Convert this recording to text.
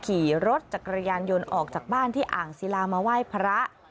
ขี่รถจักรยานยนต์ออกจากบ้านที่อ่างศิลามาไหว้พระ